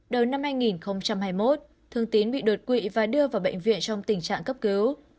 đầu năm hai nghìn hai mươi một thương tín bị đột quỵ và đưa vào bệnh viện trong tình trạng cấp cứu